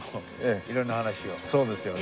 そうですよね。